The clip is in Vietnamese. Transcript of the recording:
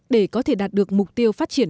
để có thể đạt được mục tiêu phát triển